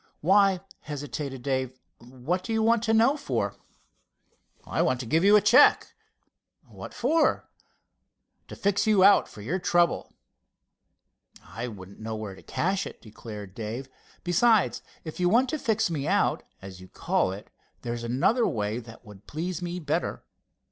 "Why," hesitated Dave, "what do you want to know for?" "I want to give you a check." "What for?" "To fix you out for your trouble." "I wouldn't know where to cash it," declared Dave. "Besides, if you want to fix me out, as you call it, there's another way that would please me better."